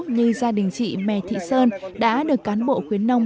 như gia đình chị mẹ thị sơn